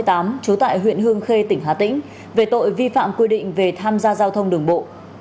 trú tại huyện hương khê tỉnh hà tĩnh về tội vi phạm quy định về tham gia giao thông đường bộ